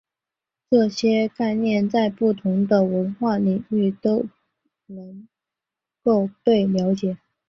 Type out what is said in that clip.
这些概念在不同的文化领域都能够被了解。